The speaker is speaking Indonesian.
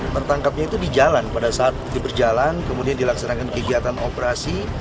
tertangkapnya itu di jalan pada saat berjalan kemudian dilaksanakan kegiatan operasi